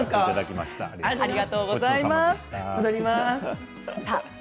ありがとうございます。